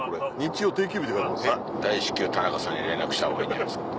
大至急田中さんに連絡した方がいいんじゃないですか。